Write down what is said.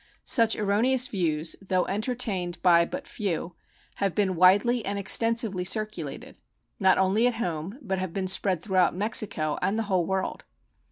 Such erroneous views, though entertained by but few, have been widely and extensively circulated, not only at home, but have been spread throughout Mexico and the whole world.